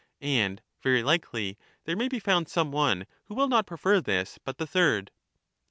And very likely there may be found some one who will not prefer this but the third.